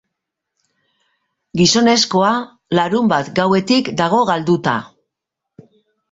Gizonezkoa larunbat gauetik dago galduta.